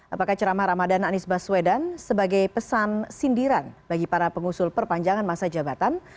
apakah cerama ramadan anies baswedan sebagai pesan sindiran bagi para pengusul perpanjangan masa jabatan